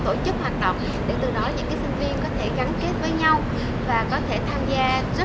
tổ chức hoạt động để từ đó những sinh viên có thể gắn kết với nhau và có thể tham gia rất